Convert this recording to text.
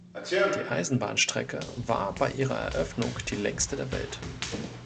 Die Eisenbahnstrecke war bei ihrer Eröffnung die längste der Welt.